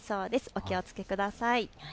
お気をつけください。